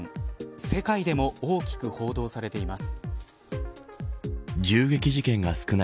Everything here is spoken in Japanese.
世界でも大きく報道されています。